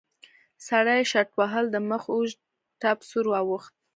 سړي شټوهل د مخ اوږد ټپ سور واوښت.